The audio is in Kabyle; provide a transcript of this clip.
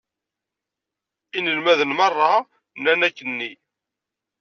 Inelmaden meṛṛa nnan akken-nni.